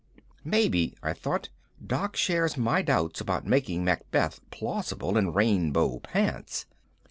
_" Maybe, I thought, _Doc shares my doubts about making Macbeth plausible in rainbow pants.